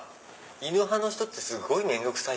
犬派の人ってすごい面倒くさい。